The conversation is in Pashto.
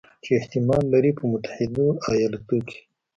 چې احتمال لري په متحدو ایالتونو کې